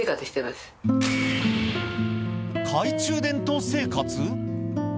懐中電灯生活？